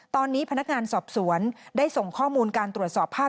ตอนนี้พนักงานสอบสวนได้ส่งข้อมูลการตรวจสอบภาพ